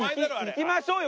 行きましょうよ